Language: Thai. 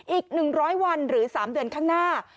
อีก๑๐๐วันหรือ๓เดือนข้างหน้า